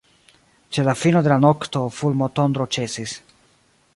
Ĉe la fino de la nokto fulmotondro ĉesis.